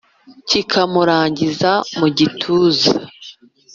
kikamurangiza mu gituza,